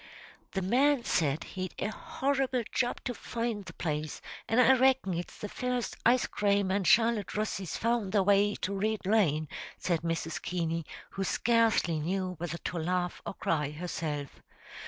"The man said he'd a horrible job to find the place, an' I reckon it's the first time ice crame an' Charlotte Russys found their way to Rid Lane!" said Mrs. Keaney, who scarcely knew whether to laugh or cry herself.